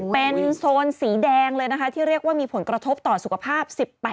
เป็นโซนสีแดงเลยนะคะที่เรียกว่ามีผลกระทบต่อสุขภาพ๑๘